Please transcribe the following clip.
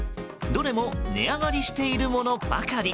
どれも値上がりしているものばかり。